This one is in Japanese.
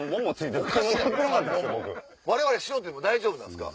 我々素人でも大丈夫なんですか？